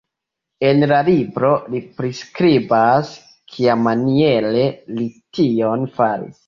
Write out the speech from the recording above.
En la libro li priskribas, kiamaniere li tion faris.